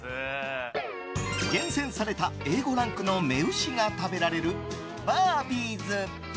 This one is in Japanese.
厳選されたＡ５ランクの雌牛が食べられるＢａｒＢｉｅｓ。